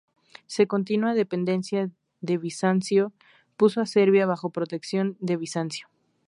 Su continua dependencia de Bizancio puso a Serbia bajo protección de Bizancio.